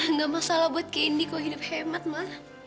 nggak masalah buat candy kau hidup hemat ma